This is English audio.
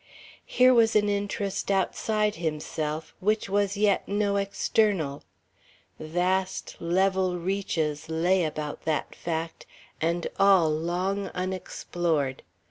Here was an interest outside himself which was yet no external. Vast, level reaches lay about that fact, and all long unexplored.